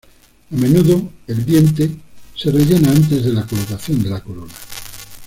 A menudo el diente se rellena antes de la colocación de la corona.